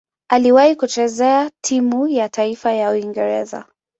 Aliwahi kucheza timu ya taifa ya Uingereza.